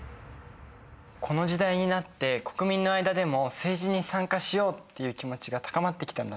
この時代になって国民の間でも政治に参加しようっていう気持ちが高まってきたんだね。